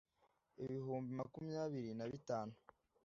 ibihumbi makumyabiri na bitanu ()